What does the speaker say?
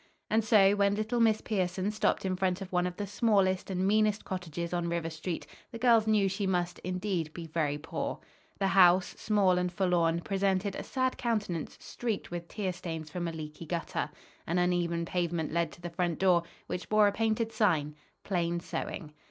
And so, when little Miss Pierson stopped in front of one of the smallest and meanest cottages on River Street, the girls knew she must, indeed, be very poor. The house, small and forlorn, presented a sad countenance streaked with tear stains from a leaky gutter. An uneven pavement led to the front door, which bore a painted sign: "Plain Sewing."